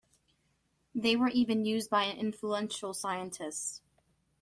They were even used by influential scientists.